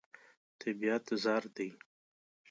طبیعت زر دی.